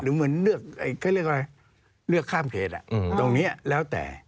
เหมือนเลือกเขาเรียกอะไรเลือกข้ามเขตตรงนี้แล้วแต่